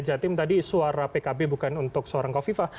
jatim tadi suara pkb bukan untuk seorang kofifa